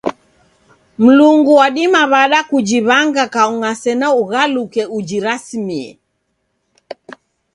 Mlungu wadima w'ada kujiw'anga kaung'a sena ughaluke ujirasimie?